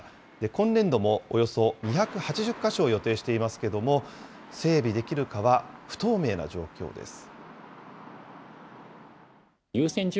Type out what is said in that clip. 今年度もおよそ２８０か所を予定していますけれども、整備できるかは不透明な状況です。